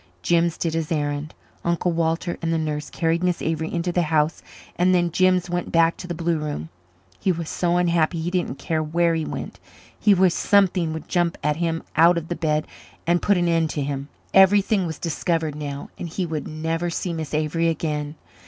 Jims did his errand. Uncle Walter and the nurse carried Miss Avery into the house and then Jims went back to the blue room. He was so unhappy he didn't care where he went. He wished something would jump at him out of the bed and put an end to him. Everything was discovered now and he would never see Miss Avery again.